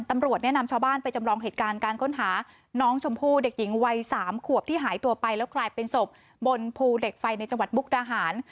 ตำรวจเนี่ยนำชาวบ้านไปจำลองเหตุการณ์การค้นหาน้องชมพู่เด็กหญิงวัย๓ขวบที่หายตัวไปแล้วกลายเป็นศพบนภูเหล็กไฟในจังหวัดมุกดาหาร